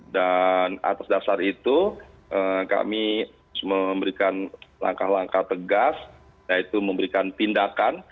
dan atas dasar itu kami memberikan langkah langkah tegas yaitu memberikan pindakan